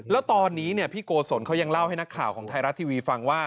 แล้วตอนนี้พี่โกศลเขายังเล่าให้นักข่าวของไทยรัฐทีวีฟังว่า